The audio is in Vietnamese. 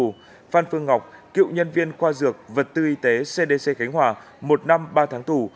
phan phương ngọc cựu nhân viên khoa dược vật tư y tế cdc khánh hòa một năm ba tháng tù